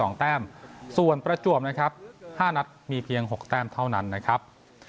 แต้มส่วนประจวบนะครับห้านัดมีเพียงหกแต้มเท่านั้นนะครับ